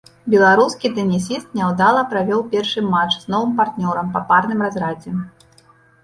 Беларускі тэнісіст няўдала правёў першы матч з новым партнёрам па парным разрадзе.